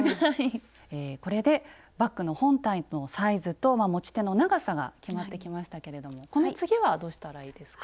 これでバッグの本体のサイズと持ち手の長さが決まってきましたけれどもこの次はどうしたらいいですか？